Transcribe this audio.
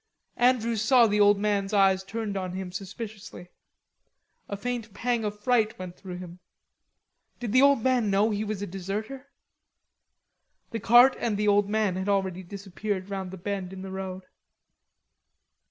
Andrews saw the old man's eyes turned on him suspiciously. A faint pang of fright went through him; did the old man know he was a deserter? The cart and the old man had already disappeared round the bend in the road.